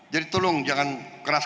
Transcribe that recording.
jadi tolong jangan kerasa